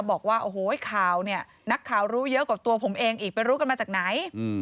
บอกว่าโอ้โหข่าวเนี่ยนักข่าวรู้เยอะกว่าตัวผมเองอีกไปรู้กันมาจากไหน